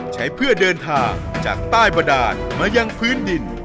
ใช้เพื่อเดินทางจากใต้บดานมายังพื้นดิน